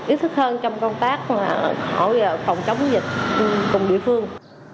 ý thức hơn trong công tác phòng chống dịch cùng địa phương